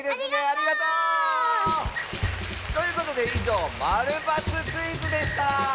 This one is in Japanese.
ありがとう！ということでいじょう「○×クイズ」でした！